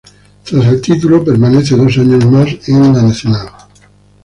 Tras el título permanece dos años más en Nacional.